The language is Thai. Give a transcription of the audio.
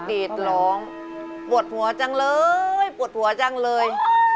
ดีดร้องปวดหัวจังเลยปวดหัวจังเลย